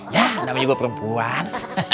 yah namanya gue perempuan